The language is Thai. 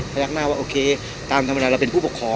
พี่อัดมาสองวันไม่มีใครรู้หรอก